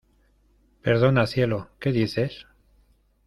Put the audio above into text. ¿ Perdona, cielo? ¿ qué dices ?